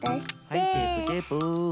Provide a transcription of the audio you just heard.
はいテープテープ。